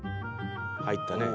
入ったね。